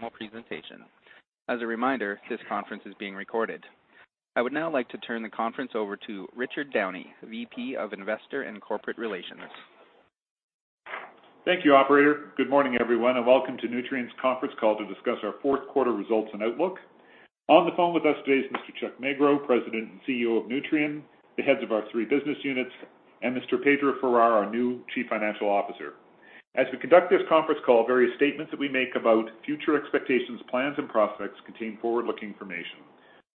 More presentation. As a reminder, this conference is being recorded. I would now like to turn the conference over to Richard Downey, VP of Investor and Corporate Relations. Thank you, operator. Good morning, everyone, and welcome to Nutrien's conference call to discuss our Q4 results and outlook. On the phone with us today is Mr. Chuck Magro, President and CEO of Nutrien, the heads of our three business units, and Mr. Pedro Farah, our new Chief Financial Officer. As we conduct this conference call, various statements that we make about future expectations, plans, and prospects contain forward-looking information.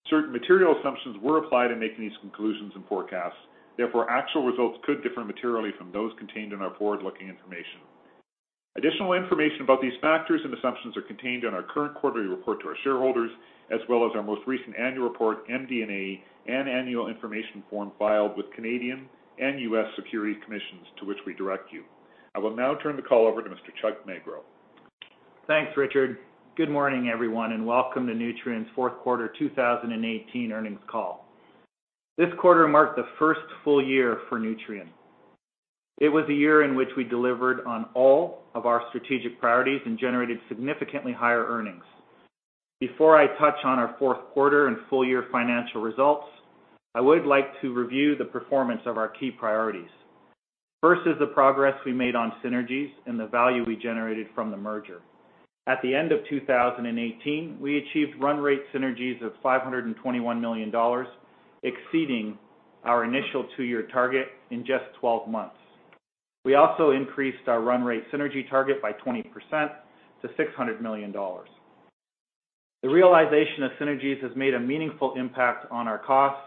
Certain material assumptions were applied in making these conclusions and forecasts. Therefore, actual results could differ materially from those contained in our forward-looking information. Additional information about these factors and assumptions are contained in our current quarterly report to our shareholders, as well as our most recent annual report, MD&A, and annual information form filed with Canadian and U.S. Security Commissions, to which we direct you. I will now turn the call over to Mr. Chuck Magro. Thanks, Richard. Good morning, everyone, and welcome to Nutrien's Q4 2018 earnings call. This quarter marked the first full-year for Nutrien. It was a year in which we delivered on all of our strategic priorities and generated significantly higher earnings. Before I touch on our Q4 and full-year financial results, I would like to review the performance of our key priorities. First is the progress we made on synergies and the value we generated from the merger. At the end of 2018, we achieved run rate synergies of 521 million dollars, exceeding our initial two-year target in just 12 months. We also increased our run rate synergy target by 20% to 600 million dollars. The realization of synergies has made a meaningful impact on our costs,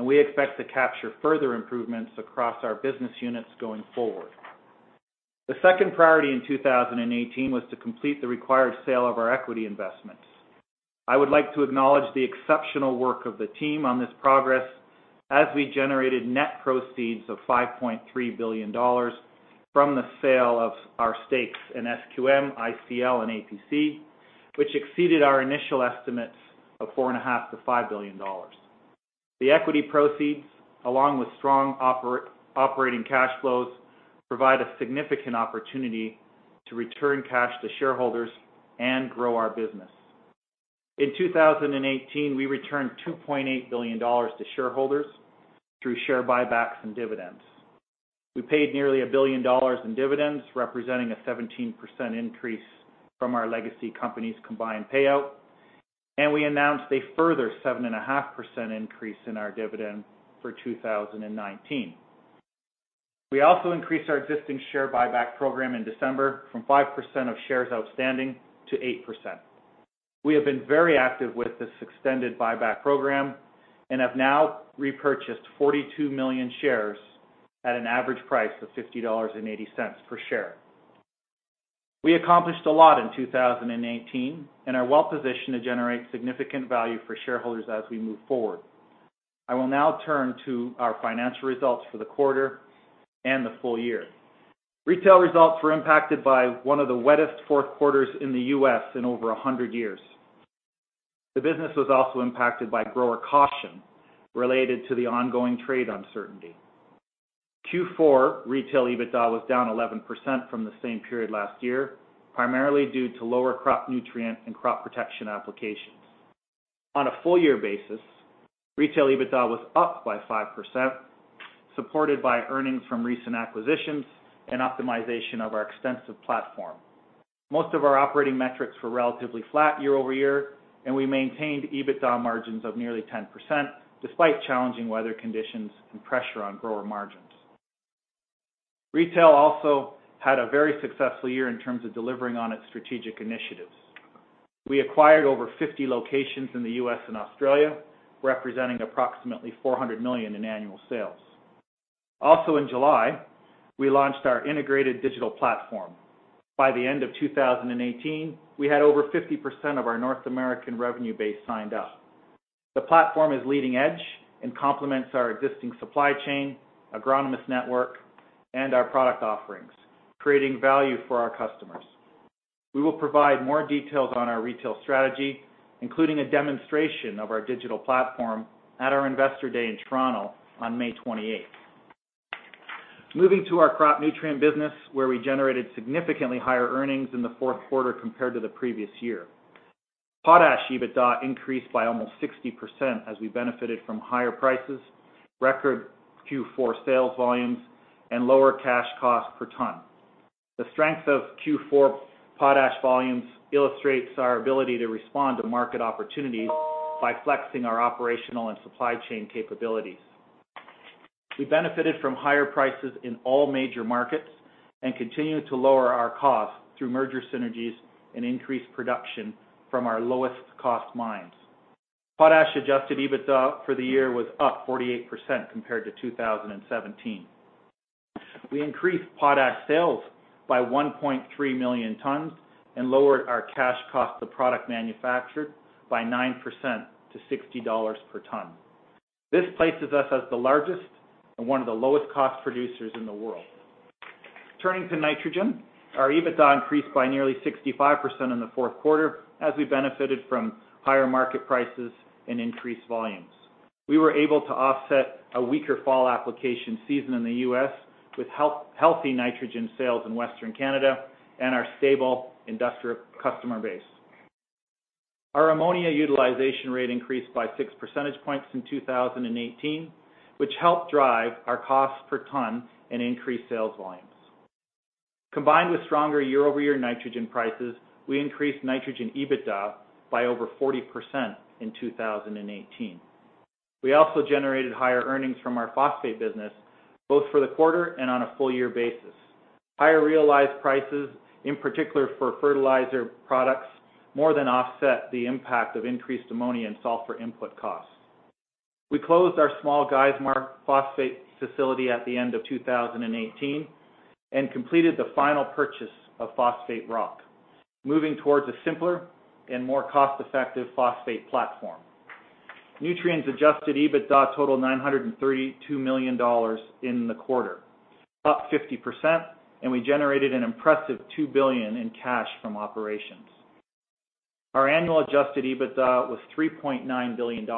and we expect to capture further improvements across our business units going forward. The second priority in 2018 was to complete the required sale of our equity investments. I would like to acknowledge the exceptional work of the team on this progress as we generated net proceeds of 5.3 billion dollars from the sale of our stakes in SQM, ICL, and APC, which exceeded our initial estimates of 4.5 billion-5 billion dollars. The equity proceeds, along with strong operating cash flows, provide a significant opportunity to return cash to shareholders and grow our business. In 2018, we returned 2.8 billion dollars to shareholders through share buybacks and dividends. We paid nearly 1 billion dollars in dividends, representing a 17% increase from our legacy companies' combined payout, and we announced a further 7.5% increase in our dividend for 2019. We also increased our existing share buyback program in December from 5% of shares outstanding to 8%. We have been very active with this extended buyback program and have now repurchased 42 million shares at an average price of $50.80 per share. We accomplished a lot in 2018 and are well-positioned to generate significant value for shareholders as we move forward. I will now turn to our financial results for the quarter and the full-year. Retail results were impacted by one of the wettest Q4s in the U.S. in over 100 years. The business was also impacted by grower caution related to the ongoing trade uncertainty. Q4 retail EBITDA was down 11% from the same period last year, primarily due to lower crop nutrient and crop protection applications. On a full-year basis, retail EBITDA was up by 5%, supported by earnings from recent acquisitions and optimization of our extensive platform. Most of our operating metrics were relatively flat year-over-year. We maintained EBITDA margins of nearly 10%, despite challenging weather conditions and pressure on grower margins. Retail also had a very successful year in terms of delivering on its strategic initiatives. We acquired over 50 locations in the U.S. and Australia, representing approximately $400 million in annual sales. In July, we launched our integrated digital platform. By the end of 2018, we had over 50% of our North American revenue base signed up. The platform is leading edge and complements our existing supply chain, agronomist network, and our product offerings, creating value for our customers. We will provide more details on our retail strategy, including a demonstration of our digital platform at our Investor Day in Toronto on May 28th. Moving to our crop nutrient business, where we generated significantly higher earnings in the Q4 compared to the previous year. Potash EBITDA increased by almost 60% as we benefited from higher prices, record Q4 sales volumes, and lower cash cost per ton. The strength of Q4 potash volumes illustrates our ability to respond to market opportunities by flexing our operational and supply chain capabilities. We benefited from higher prices in all major markets and continue to lower our costs through merger synergies and increase production from our lowest cost mines. Potash adjusted EBITDA for the year was up 48% compared to 2017. We increased potash sales by 1.3 million tons and lowered our cash cost of product manufactured by 9% to $60 per ton. This places us as the largest and one of the lowest cost producers in the world. Turning to nitrogen, our EBITDA increased by nearly 65% in the Q4 as we benefited from higher market prices and increased volumes. We were able to offset a weaker fall application season in the U.S. with healthy nitrogen sales in Western Canada and our stable industrial customer base. Our ammonia utilization rate increased by six percentage points in 2018, which helped drive our cost per ton and increased sales volumes. Combined with stronger year-over-year nitrogen prices, we increased nitrogen EBITDA by over 40% in 2018. We also generated higher earnings from our phosphate business both for the quarter and on a full-year basis. Higher realized prices, in particular for fertilizer products, more than offset the impact of increased ammonia and sulfur input costs. We closed our small Geismar phosphate facility at the end of 2018 and completed the final purchase of phosphate rock, moving towards a simpler and more cost-effective phosphate platform. Nutrien's adjusted EBITDA totaled $932 million in the quarter, up 50%, and we generated an impressive $2 billion in cash from operations. Our annual adjusted EBITDA was $3.9 billion,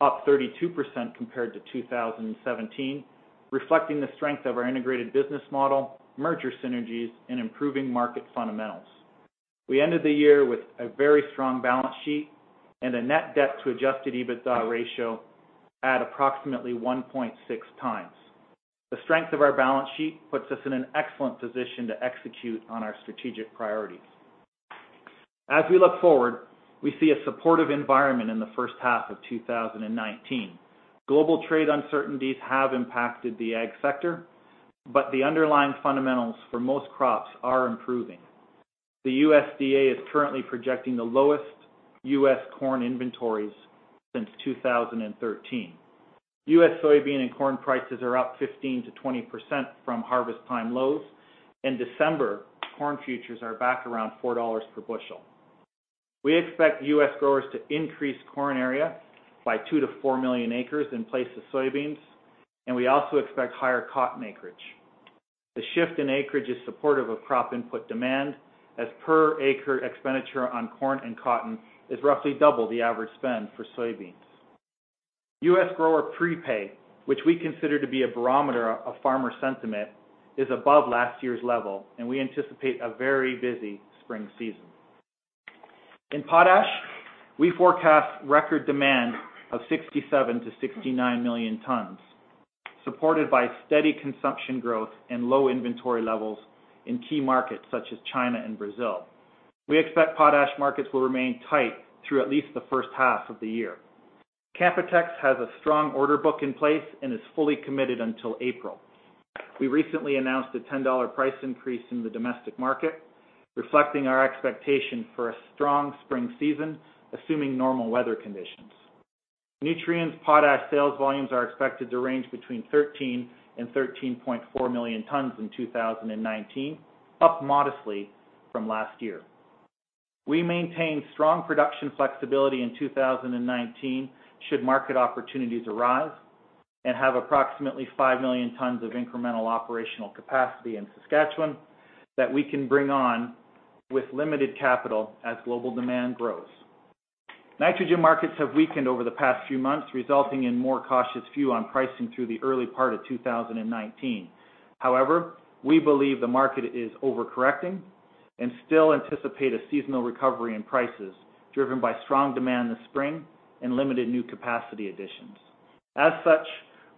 up 32% compared to 2017, reflecting the strength of our integrated business model, merger synergies, and improving market fundamentals. We ended the year with a very strong balance sheet and a net debt to adjusted EBITDA ratio at approximately 1.6x. The strength of our balance sheet puts us in an excellent position to execute on our strategic priorities. As we look forward, we see a supportive environment in the H1 of 2019. Global trade uncertainties have impacted the ag sector, but the underlying fundamentals for most crops are improving. The USDA is currently projecting the lowest U.S. corn inventories since 2013. U.S. soybean and corn prices are up 15%-20% from harvest time lows. In December, corn futures are back around $4 per bushel. We expect U.S. growers to increase corn area by 2 million to 4 million acres in place of soybeans, and we also expect higher cotton acreage. The shift in acreage is supportive of crop input demand, as per acre expenditure on corn and cotton is roughly double the average spend for soybeans. U.S. grower prepay, which we consider to be a barometer of farmer sentiment, is above last year's level, and we anticipate a very busy spring season. In potash, we forecast record demand of 67 million to 69 million tons, supported by steady consumption growth and low inventory levels in key markets such as China and Brazil. We expect potash markets will remain tight through at least the H1 of the year. Canpotex has a strong order book in place and is fully committed until April. We recently announced a $10 price increase in the domestic market, reflecting our expectation for a strong spring season, assuming normal weather conditions. Nutrien's potash sales volumes are expected to range between 13 million and 13.4 million tons in 2019, up modestly from last year. We maintain strong production flexibility in 2019 should market opportunities arise and have approximately 5 million tons of incremental operational capacity in Saskatchewan that we can bring on with limited capital as global demand grows. Nitrogen markets have weakened over the past few months, resulting in more cautious view on pricing through the early part of 2019. We believe the market is overcorrecting and still anticipate a seasonal recovery in prices driven by strong demand this spring and limited new capacity additions. As such,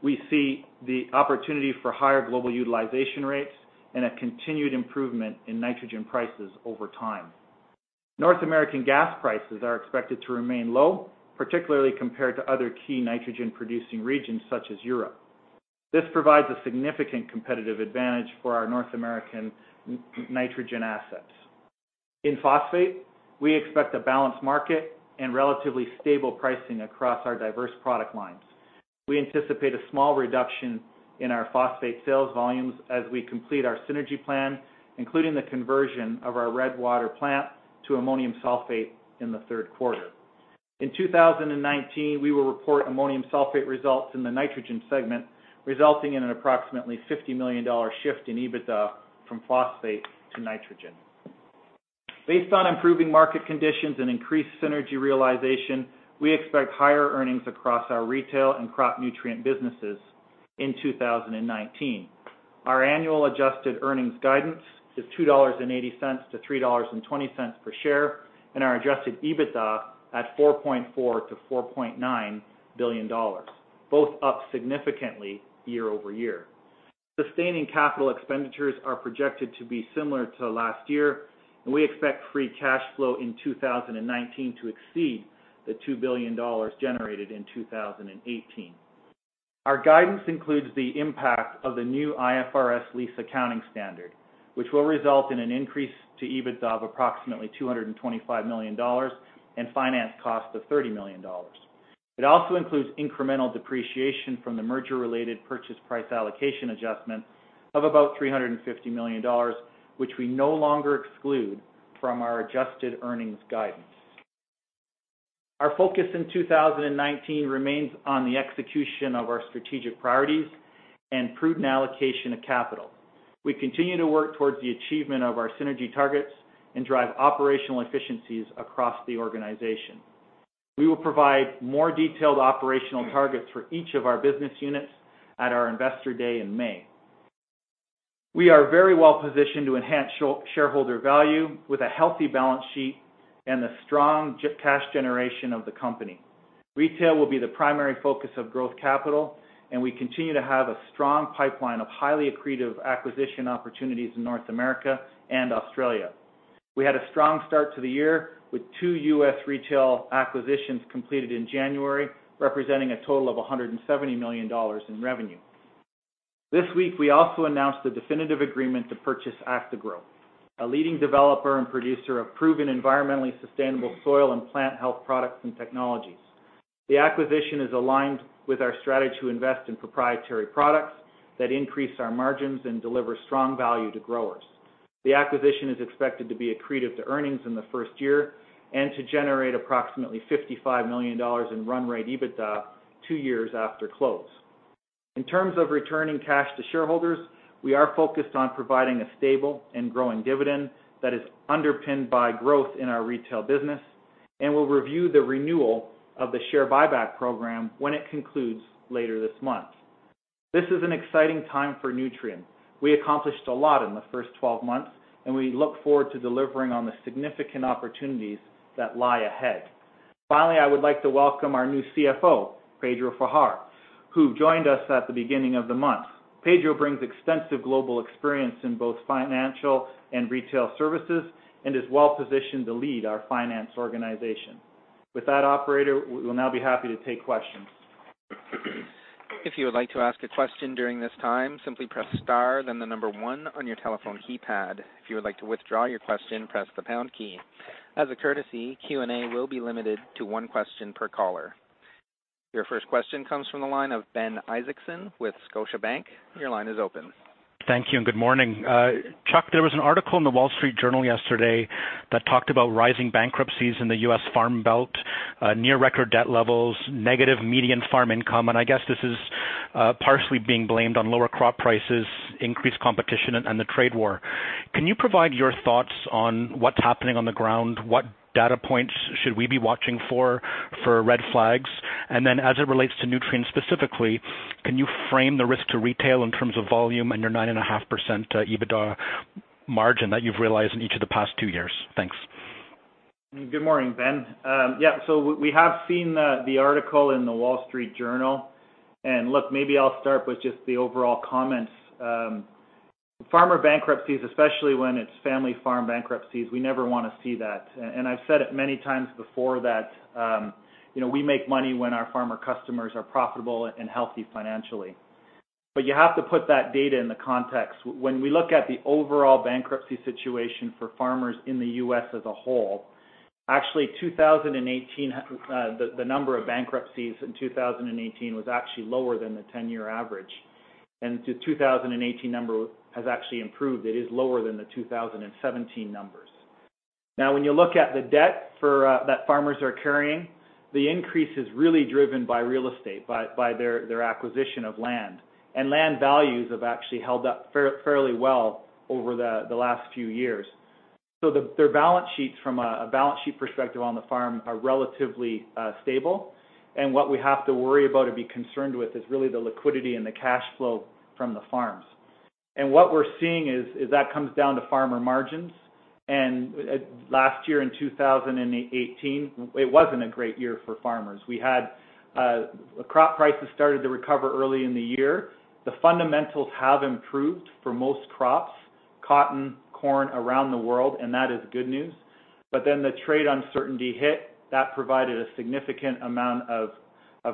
we see the opportunity for higher global utilization rates and a continued improvement in nitrogen prices over time. North American gas prices are expected to remain low, particularly compared to other key nitrogen-producing regions such as Europe. This provides a significant competitive advantage for our North American nitrogen assets. In phosphate, we expect a balanced market and relatively stable pricing across our diverse product lines. We anticipate a small reduction in our phosphate sales volumes as we complete our synergy plan, including the conversion of our Redwater plant to ammonium sulfate in the Q3. In 2019, we will report ammonium sulfate results in the nitrogen segment, resulting in an approximately $50 million shift in EBITDA from phosphate to nitrogen. Based on improving market conditions and increased synergy realization, we expect higher earnings across our retail and crop nutrient businesses in 2019. Our annual adjusted earnings guidance is $2.80-$3.20 per share and our adjusted EBITDA at $4.4 billion-$4.9 billion, both up significantly year-over-year. Sustaining capital expenditures are projected to be similar to last year, and we expect free cash flow in 2019 to exceed the $2 billion generated in 2018. Our guidance includes the impact of the new IFRS lease accounting standard, which will result in an increase to EBITDA of approximately $225 million and finance cost of $30 million. It also includes incremental depreciation from the merger-related purchase price allocation adjustment of about $350 million, which we no longer exclude from our adjusted earnings guidance. Our focus in 2019 remains on the execution of our strategic priorities and prudent allocation of capital. We continue to work towards the achievement of our synergy targets and drive operational efficiencies across the organization. We will provide more detailed operational targets for each of our business units at our investor day in May. We are very well-positioned to enhance shareholder value with a healthy balance sheet and the strong cash generation of the company. Retail will be the primary focus of growth capital, and we continue to have a strong pipeline of highly accretive acquisition opportunities in North America and Australia. We had a strong start to the year, with two U.S. retail acquisitions completed in January, representing a total of $170 million in revenue. This week, we also announced the definitive agreement to purchase Actagro, a leading developer and producer of proven environmentally sustainable soil and plant health products and technologies. The acquisition is aligned with our strategy to invest in proprietary products that increase our margins and deliver strong value to growers. The acquisition is expected to be accretive to earnings in the first year and to generate approximately $55 million in run rate EBITDA two years after close. In terms of returning cash to shareholders, we are focused on providing a stable and growing dividend that is underpinned by growth in our retail business and will review the renewal of the share buyback program when it concludes later this month. This is an exciting time for Nutrien. We accomplished a lot in the first 12 months, and we look forward to delivering on the significant opportunities that lie ahead. Finally, I would like to welcome our new CFO, Pedro Farah, who joined us at the beginning of the month. Pedro brings extensive global experience in both financial and retail services and is well-positioned to lead our finance organization. With that, operator, we will now be happy to take questions. If you would like to ask a question during this time, simply press star, then number one on your telephone keypad. If you would like to withdraw your question, press the pound key. As a courtesy, Q&A will be limited to one question per caller. Your first question comes from the line of Ben Isaacson with Scotiabank. Your line is open. Thank you, and good morning. Chuck, there was an article in The Wall Street Journal yesterday that talked about rising bankruptcies in the U.S. Farm Belt, near record debt levels, negative median farm income. I guess this is partially being blamed on lower crop prices, increased competition, and the trade war. Can you provide your thoughts on what's happening on the ground? What data points should we be watching for red flags? Then as it relates to Nutrien specifically, can you frame the risk to retail in terms of volume and your 9.5% EBITDA margin that you've realized in each of the past two years? Thanks. Good morning, Ben. We have seen the article in The Wall Street Journal. Look, maybe I'll start with just the overall comments. Farmer bankruptcies, especially when it's family farm bankruptcies, we never want to see that. I've said it many times before that we make money when our farmer customers are profitable and healthy financially. You have to put that data in the context. When we look at the overall bankruptcy situation for farmers in the U.S. as a whole, actually the number of bankruptcies in 2018 was actually lower than the 10-year average. The 2018 number has actually improved. It is lower than the 2017 numbers. Now, when you look at the debt that farmers are carrying, the increase is really driven by real estate, by their acquisition of land. Land values have actually held up fairly well over the last few years. So their balance sheets from a balance sheet perspective on the farm are relatively stable, and what we have to worry about or be concerned with is really the liquidity and the cash flow from the farms. What we're seeing is that comes down to farmer margins, and last year in 2018, it wasn't a great year for farmers. Crop prices started to recover early in the year. The fundamentals have improved for most crops, cotton, corn, around the world, and that is good news. The trade uncertainty hit. That provided a significant amount of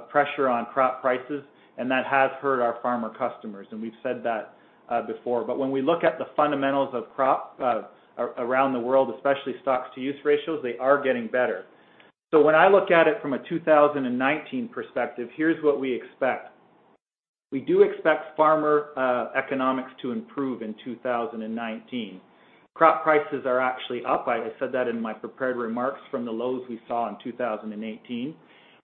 pressure on crop prices, and that has hurt our farmer customers, and we've said that before. When we look at the fundamentals of crop around the world, especially stocks to use ratios, they are getting better. When I look at it from a 2019 perspective, here's what we expect. We do expect farmer economics to improve in 2019. Crop prices are actually up, I said that in my prepared remarks, from the lows we saw in 2018.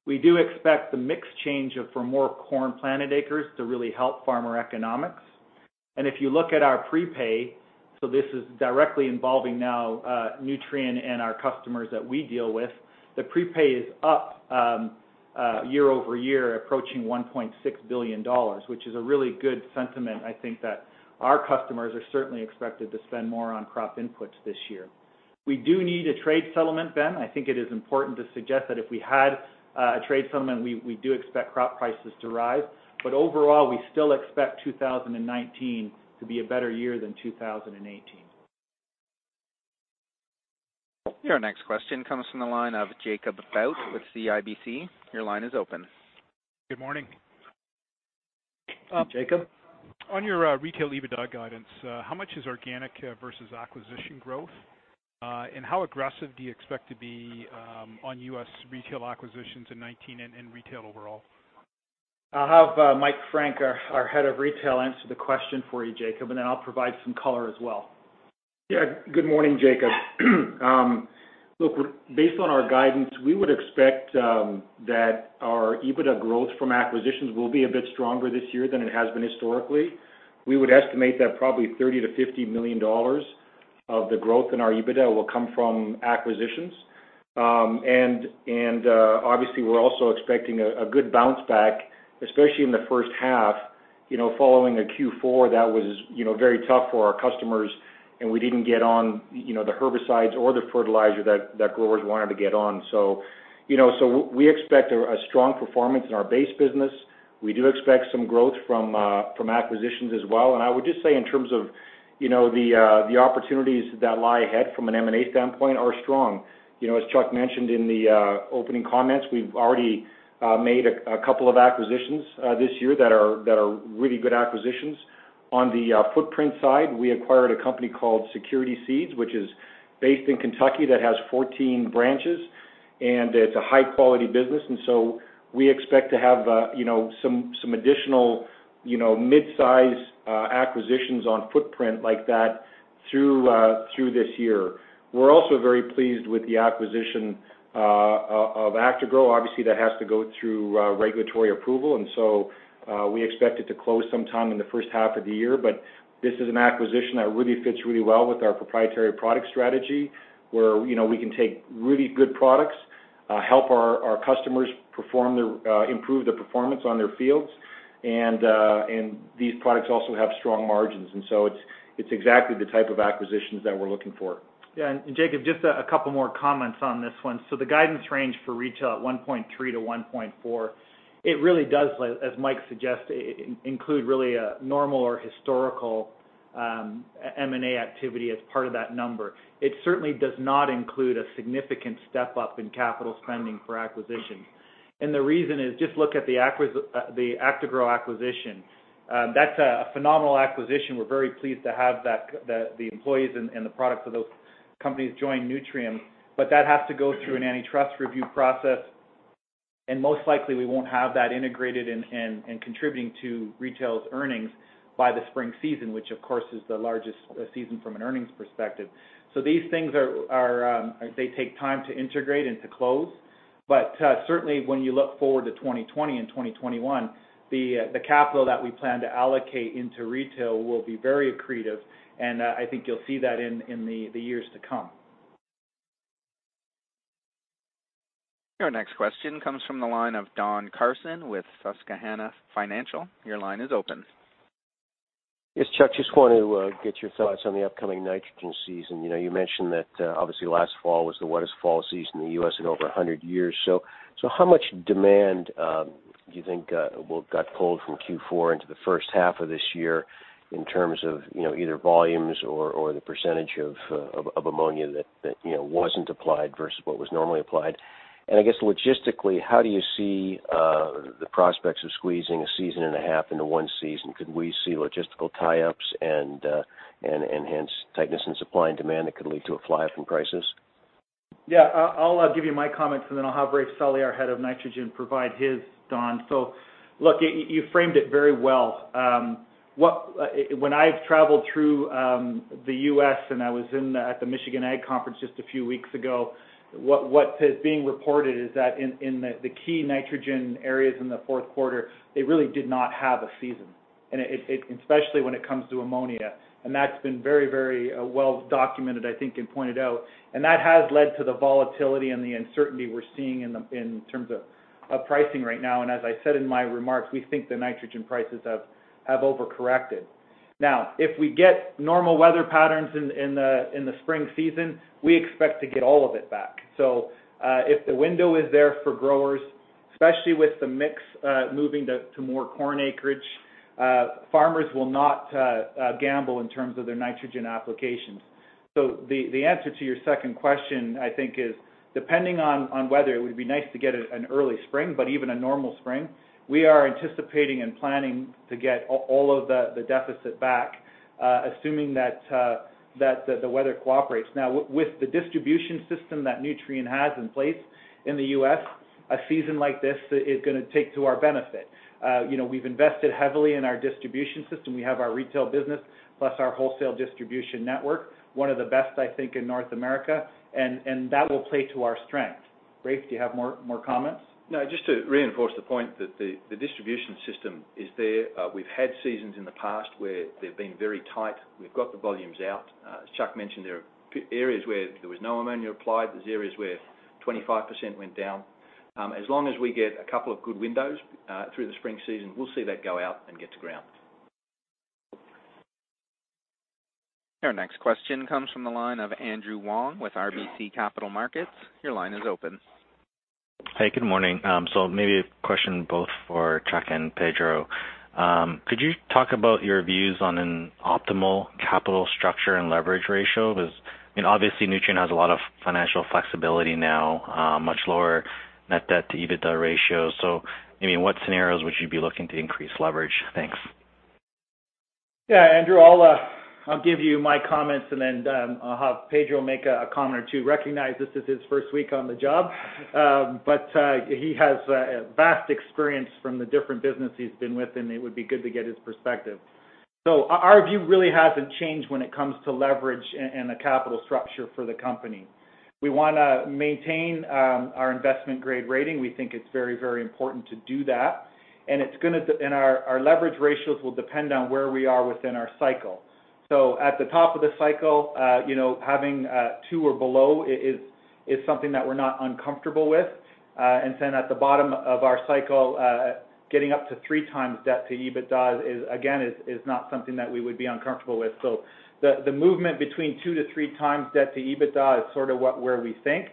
We do expect the mix change for more corn planted acres to really help farmer economics. If you look at our prepay, this is directly involving now Nutrien and our customers that we deal with, the prepay is up year-over-year, approaching 1.6 billion dollars, which is a really good sentiment. I think that our customers are certainly expected to spend more on crop inputs this year. We do need a trade settlement, Ben. I think it is important to suggest that if we had a trade settlement, we do expect crop prices to rise. Overall, we still expect 2019 to be a better year than 2018. Your next question comes from the line of Jacob Bout with CIBC. Your line is open. Good morning. Jacob? On your retail EBITDA guidance, how much is organic versus acquisition growth? How aggressive do you expect to be on U.S. retail acquisitions in 2019 and in retail overall? I'll have Mike Frank, our head of retail, answer the question for you, Jacob. Then I'll provide some color as well. Yeah. Good morning, Jacob. Look, based on our guidance, we would expect that our EBITDA growth from acquisitions will be a bit stronger this year than it has been historically. We would estimate that probably $30 million-$50 million of the growth in our EBITDA will come from acquisitions. Obviously, we're also expecting a good bounce back, especially in the H1, following a Q4 that was very tough for our customers, and we didn't get on the herbicides or the fertilizer that growers wanted to get on. We expect a strong performance in our base business. We do expect some growth from acquisitions as well. I would just say in terms of the opportunities that lie ahead from an M&A standpoint are strong. As Chuck mentioned in the opening comments, we've already made a couple of acquisitions this year that are really good acquisitions. On the footprint side, we acquired a company called Security Seed and Chemical, which is based in Kentucky that has 14 branches, and it's a high-quality business. We expect to have some additional mid-size acquisitions on footprint like that through this year. We're also very pleased with the acquisition of Actagro. Obviously, that has to go through regulatory approval. We expect it to close sometime in the H1 of the year. This is an acquisition that really fits really well with our proprietary product strategy, where we can take really good products, help our customers improve their performance on their fields. These products also have strong margins. It's exactly the type of acquisitions that we're looking for. Yeah. Jacob, just a couple more comments on this one. The guidance range for retail at 1.3-1.4, it really does, as Mike suggests, include really a normal or historical M&A activity as part of that number. It certainly does not include a significant step-up in capital spending for acquisitions. The reason is just look at the Actagro acquisition. That's a phenomenal acquisition. We're very pleased to have the employees and the products of those companies join Nutrien. That has to go through an antitrust review process, and most likely, we won't have that integrated and contributing to retail's earnings by the spring season, which, of course, is the largest season from an earnings perspective. These things take time to integrate and to close. Certainly, when you look forward to 2020 and 2021, the capital that we plan to allocate into retail will be very accretive, and I think you'll see that in the years to come. Your next question comes from the line of Don Carson with Susquehanna Financial. Your line is open. Yes, Chuck, just wanted to get your thoughts on the upcoming nitrogen season. You mentioned that obviously last fall was the wettest fall season in the U.S. in over 100 years. How much demand do you think got pulled from Q4 into the H1 of this year in terms of either volumes or the percentage of ammonia that wasn't applied versus what was normally applied? I guess logistically, how do you see the prospects of squeezing a season and a half into one season? Could we see logistical tie-ups and hence tightness in supply and demand that could lead to a fly-up in prices? Yeah. I'll give you my comments. Then I'll have Raef Sully, our head of nitrogen, provide his, Don. Look, you framed it very well. When I've traveled through the U.S., and I was at the Michigan Ag Conference just a few weeks ago, what is being reported is that in the key nitrogen areas in the Q4, they really did not have a season, and especially when it comes to ammonia. That's been very well documented, I think, and pointed out, and that has led to the volatility and the uncertainty we're seeing in terms of pricing right now. As I said in my remarks, we think the nitrogen prices have over-corrected. Now, if we get normal weather patterns in the spring season, we expect to get all of it back. If the window is there for growers, especially with the mix moving to more corn acreage, farmers will not gamble in terms of their nitrogen applications. The answer to your second question, I think is depending on weather, it would be nice to get an early spring, but even a normal spring. We are anticipating and planning to get all of the deficit back, assuming that the weather cooperates. Now, with the distribution system that Nutrien has in place in the U.S., a season like this is going to take to our benefit. We've invested heavily in our distribution system. We have our retail business plus our wholesale distribution network, one of the best, I think, in North America, and that will play to our strength. Raef, do you have more comments? No, just to reinforce the point that the distribution system is there. We've had seasons in the past where they've been very tight. We've got the volumes out. As Chuck mentioned, there are areas where there was no ammonia applied. There's areas where 25% went down. As long as we get a couple of good windows through the spring season, we'll see that go out and get to ground. Our next question comes from the line of Andrew Wong with RBC Capital Markets. Your line is open. Hey, good morning. Maybe a question both for Chuck and Pedro. Could you talk about your views on an optimal capital structure and leverage ratio? Because obviously Nutrien has a lot of financial flexibility now, much lower net debt to EBITDA ratio. In what scenarios would you be looking to increase leverage? Thanks. Yeah, Andrew, I'll give you my comments and then I'll have Pedro make a comment or two. Recognize this is his first week on the job, but he has vast experience from the different business he's been with, and it would be good to get his perspective. Our view really hasn't changed when it comes to leverage and the capital structure for the company. We want to maintain our investment grade rating. We think it's very important to do that. Our leverage ratios will depend on where we are within our cycle. At the top of the cycle, having two or below is something that we're not uncomfortable with. Then at the bottom of our cycle, getting up to 3x debt to EBITDA, again, is not something that we would be uncomfortable with. The movement between 2x to 3x debt to EBITDA is sort of where we think.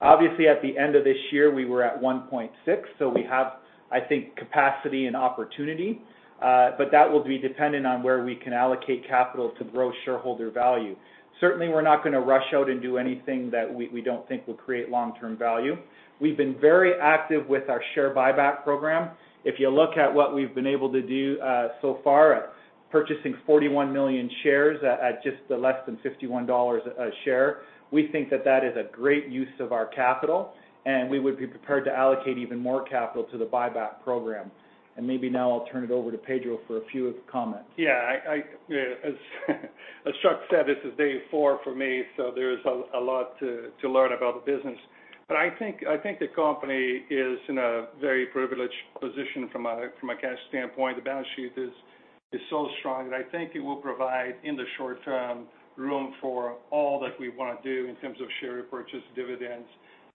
Obviously, at the end of this year, we were at 1.6x. We have, I think, capacity and opportunity. That will be dependent on where we can allocate capital to grow shareholder value. Certainly, we're not going to rush out and do anything that we don't think will create long-term value. We've been very active with our share buyback program. If you look at what we've been able to do so far, purchasing 41 million shares at just less than $51 a share, we think that that is a great use of our capital, and we would be prepared to allocate even more capital to the buyback program. Maybe now I'll turn it over to Pedro for a few comments. Yeah. As Chuck said, this is day four for me, there is a lot to learn about the business. I think the company is in a very privileged position from a cash standpoint. The balance sheet is so strong that I think it will provide, in the short term, room for all that we want to do in terms of share repurchase dividends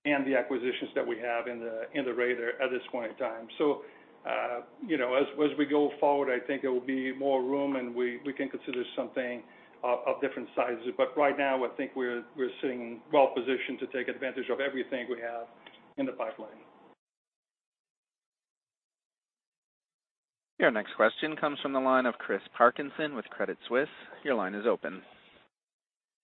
and the acquisitions that we have in the radar at this point in time. As we go forward, I think there will be more room, and we can consider something of different sizes. Right now, I think we're sitting well-positioned to take advantage of everything we have in the pipeline. Your next question comes from the line of Christopher Parkinson with Credit Suisse. Your line is open.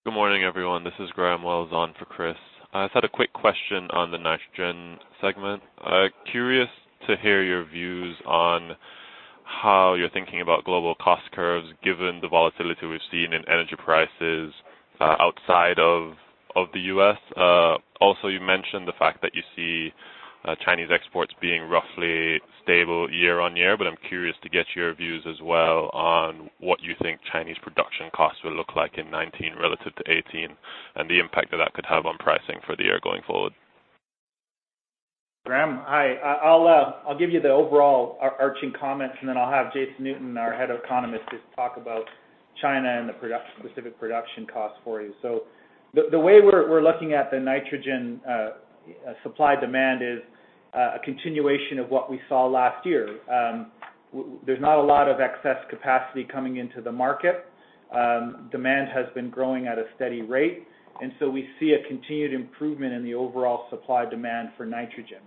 Good morning, everyone. This is Graham Wells on for Chris. I just had a quick question on the nitrogen segment. Curious to hear your views on how you are thinking about global cost curves given the volatility we have seen in energy prices outside of the U.S. You mentioned the fact that you see Chinese exports being roughly stable year-on-year. I am curious to get your views as well on what you think Chinese production costs will look like in 2019 relative to 2018 and the impact that that could have on pricing for the year going forward. Graham, hi. I will give you the overall overarching comments. Then I will have Jason Newton, our head of economists, just talk about China and the specific production costs for you. The way we are looking at the nitrogen supply-demand is a continuation of what we saw last year. There is not a lot of excess capacity coming into the market. Demand has been growing at a steady rate. We see a continued improvement in the overall supply-demand for nitrogen.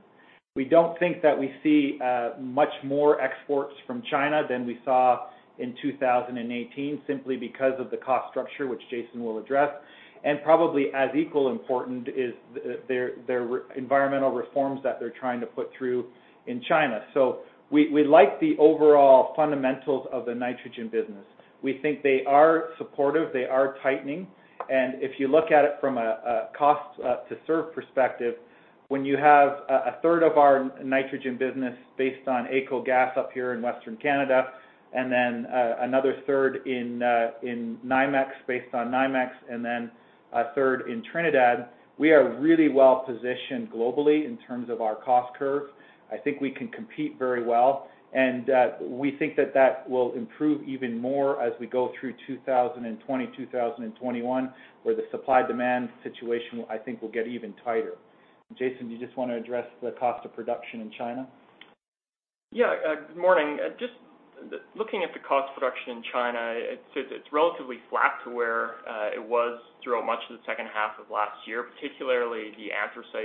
We do not think that we see much more exports from China than we saw in 2018, simply because of the cost structure, which Jason will address. Probably as equally important is their environmental reforms that they are trying to put through in China. We like the overall fundamentals of the nitrogen business. We think they are supportive, they are tightening. If you look at it from a cost-to-serve perspective, when you have a third of our nitrogen business based on AECO gas up here in Western Canada, then another third based on NYMEX, then a third in Trinidad, we are really well-positioned globally in terms of our cost curve. I think we can compete very well, and we think that that will improve even more as we go through 2020, 2021, where the supply-demand situation, I think, will get even tighter. Jason, do you just want to address the cost of production in China? Yeah. Good morning. Just looking at the cost of production in China, it's relatively flat to where it was throughout much of the H2 of last year, particularly the anthracite-based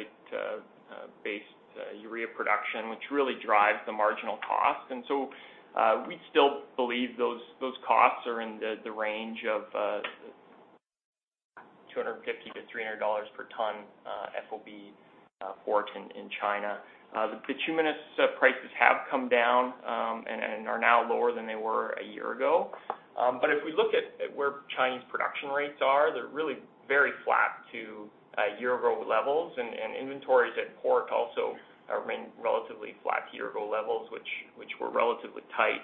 urea production, which really drives the marginal cost. We still believe those costs are in the range of $250-$300 per ton FOB port in China. The tremendous prices have come down and are now lower than they were a year ago. If we look at where Chinese production rates are, they're really very flat to year-ago levels. Inventories at port also remain relatively flat to year-ago levels, which were relatively tight.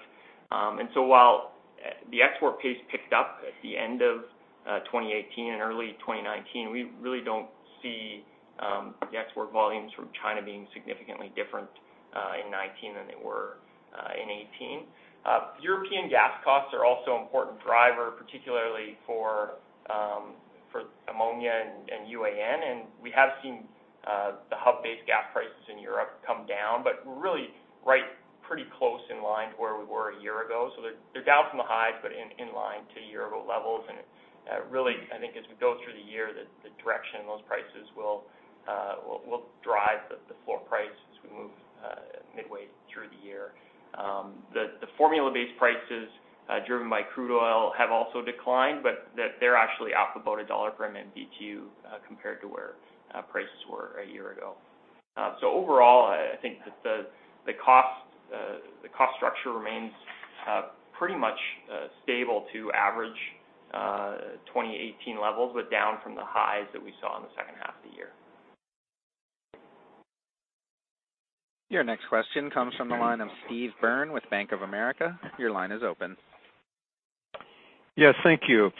While the export pace picked up at the end of 2018 and early 2019, we really don't see the export volumes from China being significantly different in 2019 than they were in 2018. European gas costs are also an important driver, particularly for ammonia and UAN. We have seen the hub-based gas prices in Europe come down, but really right pretty close in line to where we were a year ago. They're down from the highs, but in line to year-ago levels. Really, I think as we go through the year, the direction of those prices will drive the floor price as we move midway through the year. The formula-based prices driven by crude oil have also declined, but they're actually up about $1 per MMBtu compared to where prices were a year ago. Overall, I think that the cost structure remains pretty much stable to average 2018 levels, but down from the highs that we saw in the H2 of the year. Your next question comes from the line of Steve Byrne with Bank of America. Your line is open. Yes, thank you.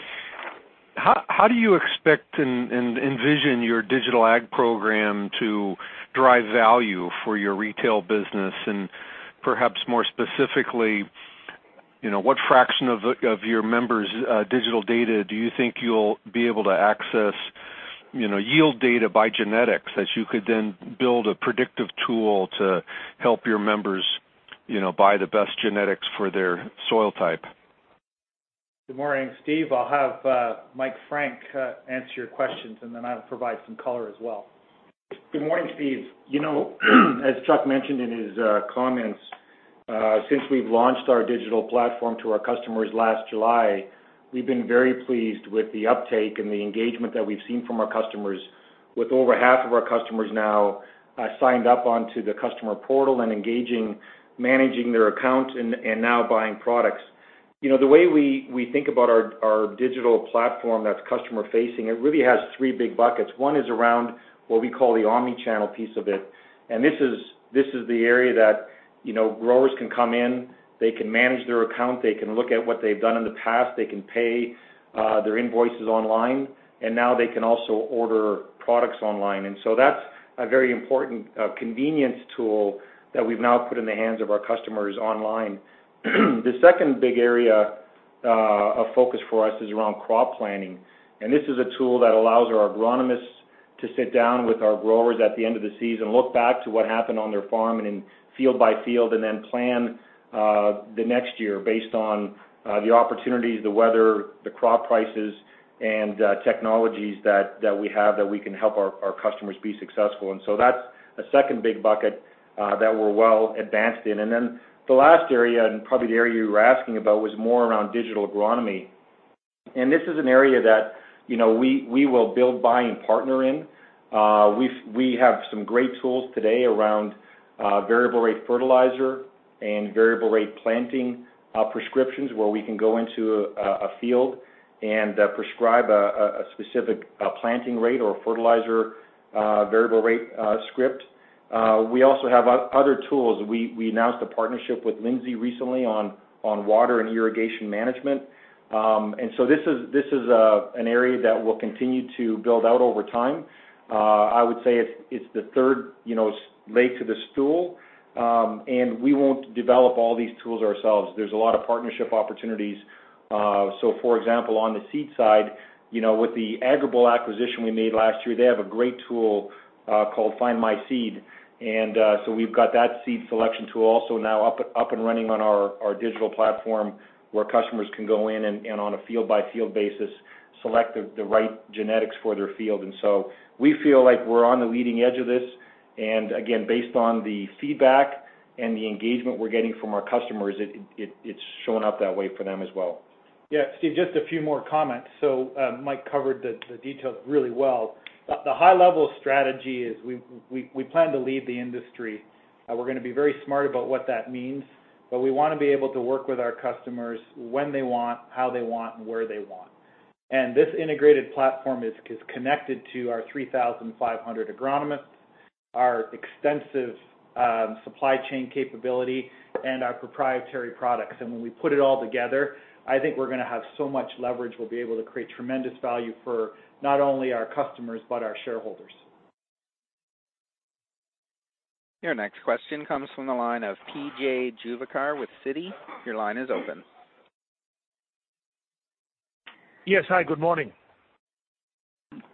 How do you expect and envision your digital ag program to drive value for your retail business? Perhaps more specifically, what fraction of your members' digital data do you think you'll be able to access yield data by genetics that you could then build a predictive tool to help your members buy the best genetics for their soil type? Good morning, Steve. I'll have Mike Frank answer your questions, then I'll provide some color as well. Good morning, Steve. As Chuck mentioned in his comments, since we've launched our digital platform to our customers last July, we've been very pleased with the uptake and the engagement that we've seen from our customers. With over half of our customers now signed up onto the customer portal and engaging, managing their account and now buying products. The way we think about our digital platform that's customer-facing, it really has three big buckets. One is around what we call the omni-channel piece of it. This is the area that growers can come in, they can manage their account, they can look at what they've done in the past, they can pay their invoices online, and now they can also order products online. That's a very important convenience tool that we've now put in the hands of our customers online. The second big area of focus for us is around crop planning. This is a tool that allows our agronomists to sit down with our growers at the end of the season, look back to what happened on their farm and field by field, then plan the next year based on the opportunities, the weather, the crop prices, and technologies that we have that we can help our customers be successful. That's a second big bucket that we're well-advanced in. The last area, and probably the area you were asking about, was more around digital agronomy. This is an area that we will build, buy, and partner in. We have some great tools today around variable rate fertilizer and variable rate planting prescriptions, where we can go into a field and prescribe a specific planting rate or fertilizer variable rate script. We also have other tools. We announced a partnership with Lindsay Corporation recently on water and irrigation management. This is an area that we'll continue to build out over time. I would say it's the third leg to the stool, and we won't develop all these tools ourselves. There's a lot of partnership opportunities. For example, on the seed side, with the Agrible acquisition we made last year, they have a great tool called Find My Seed. We've got that seed selection tool also now up and running on our digital platform where customers can go in and on a field-by-field basis, select the right genetics for their field. We feel like we're on the leading edge of this. Again, based on the feedback and the engagement we're getting from our customers, it's showing up that way for them as well. Steve, just a few more comments. Mike covered the details really well. The high-level strategy is we plan to lead the industry. We're going to be very smart about what that means, but we want to be able to work with our customers when they want, how they want, and where they want. This integrated platform is connected to our 3,500 agronomists, our extensive supply chain capability, and our proprietary products. When we put it all together, I think we're going to have so much leverage, we'll be able to create tremendous value for not only our customers, but our shareholders. Your next question comes from the line of P.J. Juvekar with Citi. Your line is open. Yes, hi, good morning.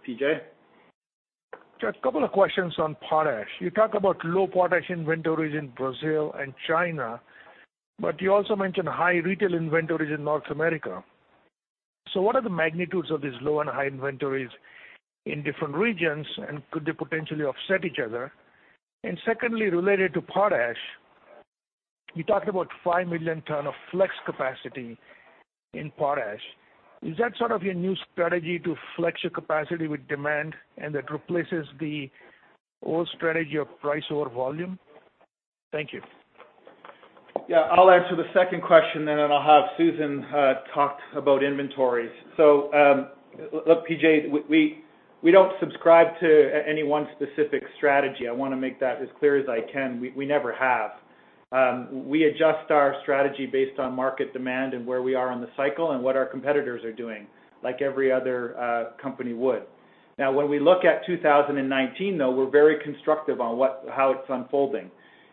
PJ. Just a couple of questions on potash. You talk about low potash inventories in Brazil and China, but you also mentioned high retail inventories in North America. What are the magnitudes of these low and high inventories in different regions, and could they potentially offset each other? Secondly, related to potash, you talked about 5 million tons of flex capacity in potash. Is that sort of your new strategy to flex your capacity with demand and that replaces the old strategy of price over volume? Thank you. I'll answer the second question and I'll have Susan talk about inventories. Look, P.J., we don't subscribe to any one specific strategy. I want to make that as clear as I can. We never have. We adjust our strategy based on market demand and where we are in the cycle and what our competitors are doing, like every other company would. When we look at 2019, though, we're very constructive on how it's unfolding.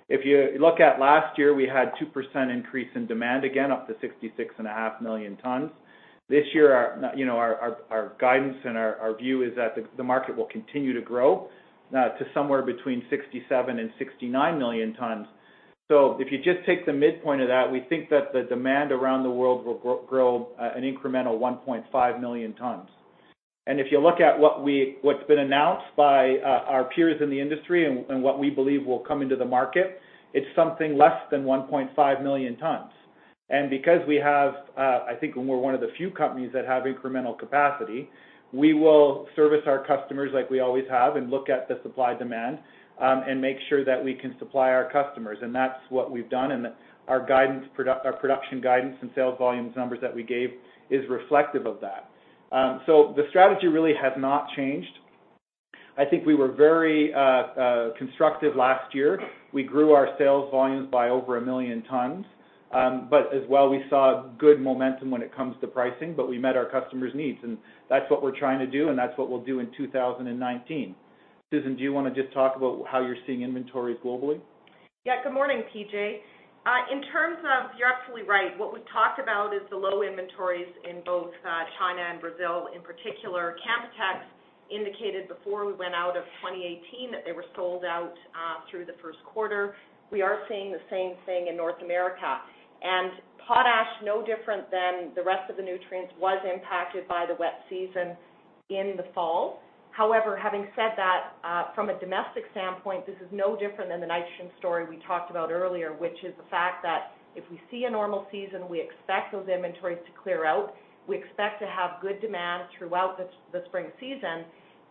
If you look at last year, we had 2% increase in demand again, up to 66.5 million tons. This year, our guidance and our view is that the market will continue to grow to somewhere between 67 and 69 million tons. If you just take the midpoint of that, we think that the demand around the world will grow an incremental 1.5 million tons. If you look at what's been announced by our peers in the industry and what we believe will come into the market, it's something less than 1.5 million tons. Because we have, I think we're one of the few companies that have incremental capacity, we will service our customers like we always have and look at the supply-demand, and make sure that we can supply our customers. That's what we've done, and our production guidance and sales volumes numbers that we gave is reflective of that. The strategy really has not changed. I think we were very constructive last year. We grew our sales volumes by over a million tons. As well, we saw good momentum when it comes to pricing, we met our customers' needs, and that's what we're trying to do, and that's what we'll do in 2019. Susan, do you want to just talk about how you're seeing inventories globally? Good morning, P.J. You're absolutely right. What we've talked about is the low inventories in both China and Brazil, in particular. Canpotex indicated before we went out of 2018 that they were sold out through the Q1. We are seeing the same thing in North America. Potash, no different than the rest of the nutrients, was impacted by the wet season in the fall. However, having said that, from a domestic standpoint, this is no different than the nitrogen story we talked about earlier, which is the fact that if we see a normal season, we expect those inventories to clear out. We expect to have good demand throughout the spring season,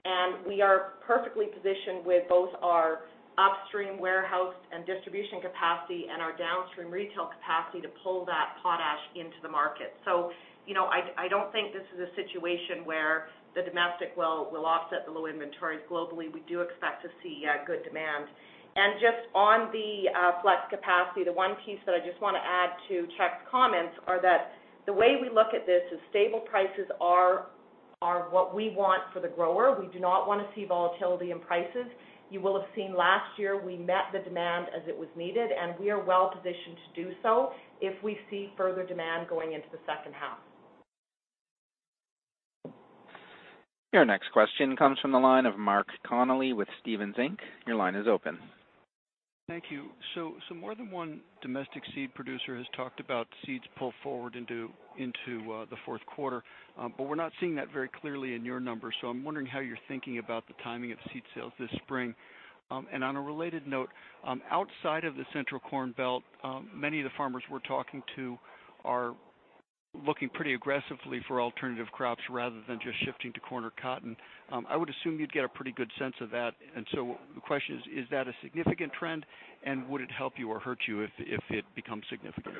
and we are perfectly positioned with both our upstream warehouse and distribution capacity and our downstream retail capacity to pull that potash into the market. I don't think this is a situation where the domestic will offset the low inventories globally. We do expect to see good demand. Just on the flex capacity, the one piece that I just want to add to Chuck's comments are that the way we look at this is stable prices are what we want for the grower. We do not want to see volatility in prices. You will have seen last year we met the demand as it was needed, and we are well-positioned to do so if we see further demand going into the H2. Your next question comes from the line of Mark Connelly with Stephens Inc. Your line is open. Thank you. More than one domestic seed producer has talked about seeds pulled forward into the Q4, but we're not seeing that very clearly in your numbers. I'm wondering how you're thinking about the timing of seed sales this spring. On a related note, outside of the Central Corn Belt, many of the farmers we're talking to are looking pretty aggressively for alternative crops rather than just shifting to corn or cotton. I would assume you'd get a pretty good sense of that. The question is: Is that a significant trend, and would it help you or hurt you if it becomes significant?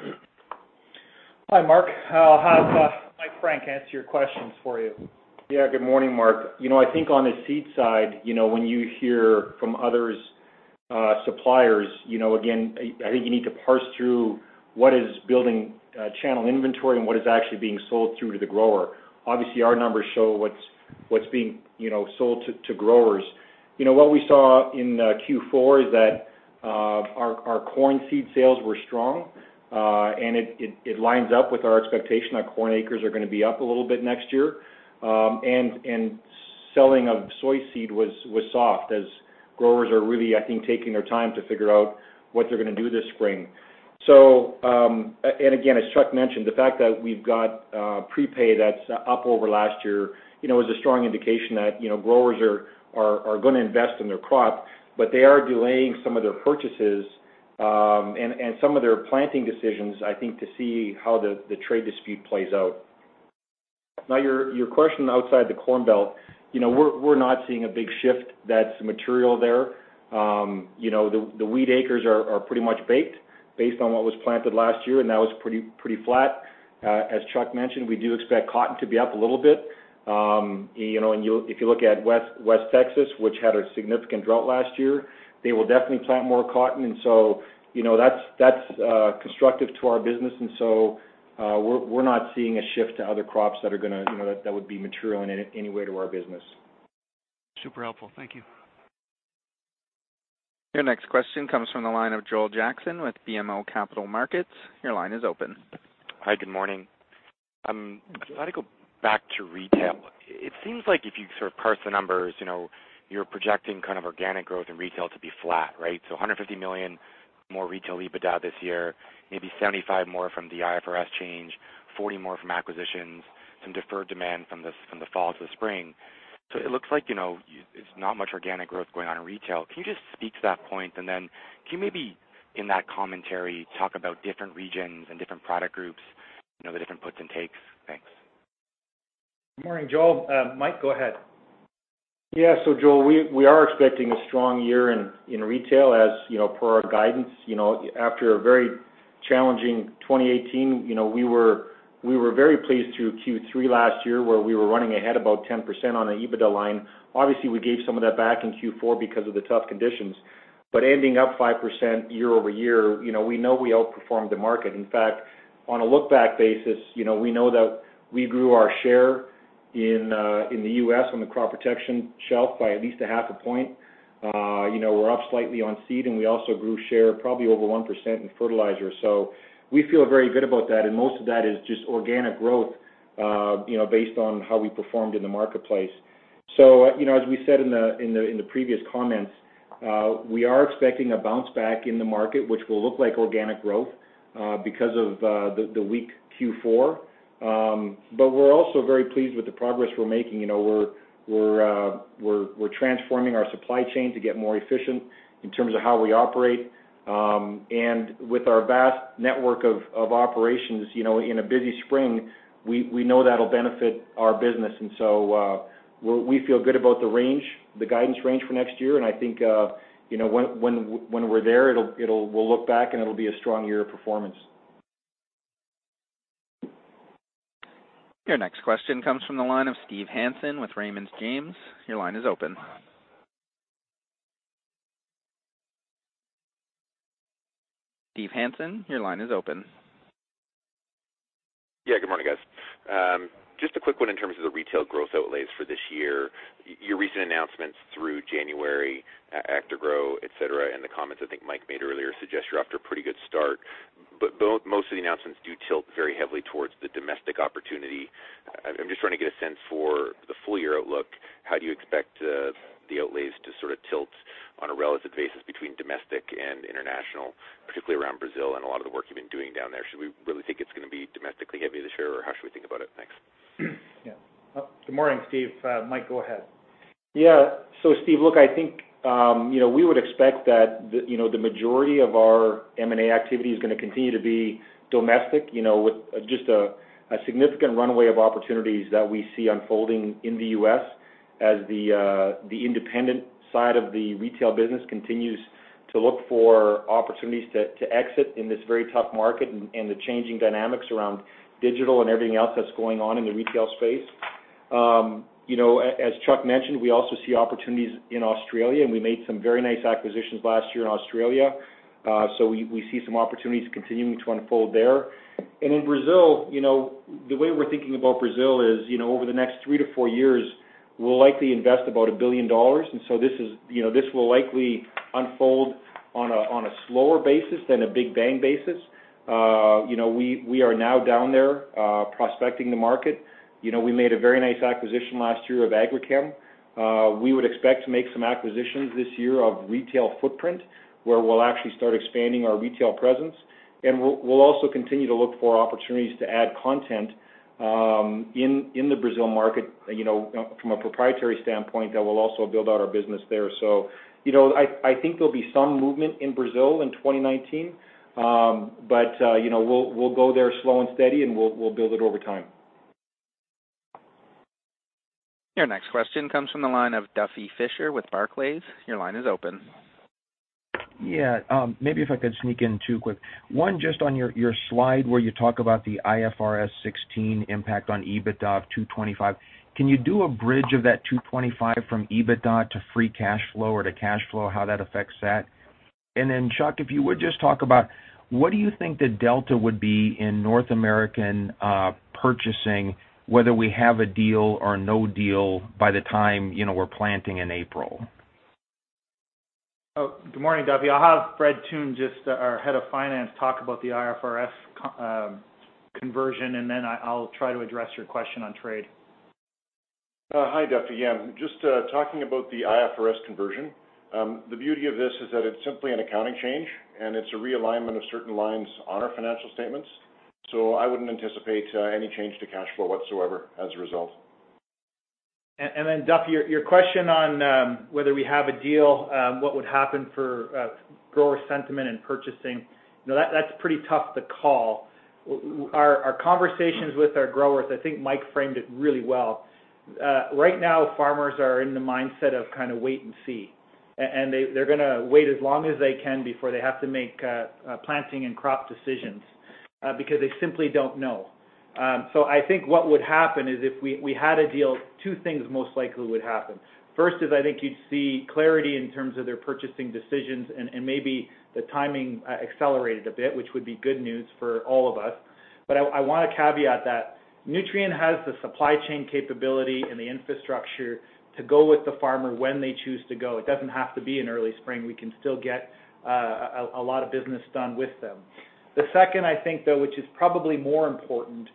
Hi, Mark. I'll have Mike Frank answer your questions for you. Yeah. Good morning, Mark. I think on the seed side, when you hear from other suppliers, again, I think you need to parse through what is building channel inventory and what is actually being sold through to the grower. Obviously, our numbers show what's being sold to growers. What we saw in Q4 is that our corn seed sales were strong, and it lines up with our expectation that corn acres are going to be up a little bit next year. Selling of soy seed was soft as growers are really, I think, taking their time to figure out what they're going to do this spring. Again, as Chuck mentioned, the fact that we've got prepay that's up over last year is a strong indication that growers are going to invest in their crop, but they are delaying some of their purchases and some of their planting decisions, I think, to see how the trade dispute plays out. Your question outside the Corn Belt, we're not seeing a big shift that's material there. The wheat acres are pretty much baked based on what was planted last year, and that was pretty flat. As Chuck mentioned, we do expect cotton to be up a little bit. If you look at West Texas, which had a significant drought last year, they will definitely plant more cotton, and so that's constructive to our business. We're not seeing a shift to other crops that would be material in any way to our business. Super helpful. Thank you. Your next question comes from the line of Joel Jackson with BMO Capital Markets. Your line is open. Hi, good morning. I'd like to go back to retail. It seems like if you sort of parse the numbers, you're projecting kind of organic growth in retail to be flat, right? $150 million more retail EBITDA this year, maybe $75 more from the IFRS change, $40 more from acquisitions, some deferred demand from the fall to the spring. It looks like there's not much organic growth going on in retail. Can you just speak to that point? Can you maybe, in that commentary, talk about different regions and different product groups, the different puts and takes? Thanks. Good morning, Joel. Mike, go ahead. Yeah. Joel, we are expecting a strong year in retail as per our guidance. After a very challenging 2018, we were very pleased through Q3 last year where we were running ahead about 10% on the EBITDA line. Obviously, we gave some of that back in Q4 because of the tough conditions, but ending up 5% year-over-year, we know we outperformed the market. In fact, on a look-back basis, we know that we grew our share in the U.S. on the crop protection shelf by at least a half a point. We're up slightly on seed, and we also grew share probably over 1% in fertilizer. We feel very good about that, and most of that is just organic growth based on how we performed in the marketplace. As we said in the previous comments, we are expecting a bounce back in the market, which will look like organic growth because of the weak Q4. We're also very pleased with the progress we're making. We're transforming our supply chain to get more efficient in terms of how we operate. With our vast network of operations in a busy spring, we know that'll benefit our business. We feel good about the guidance range for next year, and I think when we're there, we'll look back and it'll be a strong year of performance. Your next question comes from the line of Steve Hansen with Raymond James. Your line is open. Steve Hansen, your line is open. Good morning, guys. Just a quick one in terms of the retail growth outlays for this year. Your recent announcements through January, Actagro, et cetera, and the comments I think Mike made earlier suggest you're off to a pretty good start. Most of the announcements do tilt very heavily towards the domestic opportunity. I'm just trying to get a sense for the full-year outlook. How do you expect the outlays to sort of tilt on a relative basis between domestic and international, particularly around Brazil and a lot of the work you've been doing down there? Should we really think it's going to be domestically heavy this year, or how should we think about it? Thanks. Good morning, Steve. Mike, go ahead. Steve, look, I think, we would expect that the majority of our M&A activity is going to continue to be domestic, with just a significant runway of opportunities that we see unfolding in the U.S. as the independent side of the retail business continues to look for opportunities to exit in this very tough market and the changing dynamics around digital and everything else that's going on in the retail space. As Chuck mentioned, we also see opportunities in Australia, and we made some very nice acquisitions last year in Australia. We see some opportunities continuing to unfold there. In Brazil, the way we're thinking about Brazil is over the next three to four years, we'll likely invest about $1 billion, this will likely unfold on a slower basis than a big bang basis. We are now down there prospecting the market. We made a very nice acquisition last year of Agrichem. We would expect to make some acquisitions this year of retail footprint, where we'll actually start expanding our retail presence. We'll also continue to look for opportunities to add content in the Brazil market from a proprietary standpoint that will also build out our business there. I think there'll be some movement in Brazil in 2019. We'll go there slow and steady, and we'll build it over time. Your next question comes from the line of Duffy Fischer with Barclays. Your line is open. Maybe if I could sneak in two quick. One just on your slide where you talk about the IFRS 16 impact on EBITDA of $225. Can you do a bridge of that $225 from EBITDA to free cash flow or to cash flow, how that affects that? Chuck, if you would just talk about what do you think the delta would be in North American purchasing, whether we have a deal or no deal by the time we're planting in April? Good morning, Duffy. I'll have Fred Thun, our Head of Finance, talk about the IFRS conversion. I'll try to address your question on trade. Hi, Duffy. Yeah, just talking about the IFRS conversion. The beauty of this is that it's simply an accounting change, and it's a realignment of certain lines on our financial statements. I wouldn't anticipate any change to cash flow whatsoever as a result. Duffy, your question on whether we have a deal, what would happen for grower sentiment and purchasing, that's pretty tough to call. Our conversations with our growers, I think Mike framed it really well. Right now, farmers are in the mindset of kind of wait and see, and they're going to wait as long as they can before they have to make planting and crop decisions because they simply don't know. I think what would happen is if we had a deal, two things most likely would happen. First is I think you'd see clarity in terms of their purchasing decisions and maybe the timing accelerated a bit, which would be good news for all of us. I want to caveat that Nutrien has the supply chain capability and the infrastructure to go with the farmer when they choose to go. It doesn't have to be in early spring. We can still get a lot of business done with them. The second, I think, though, which is probably more important,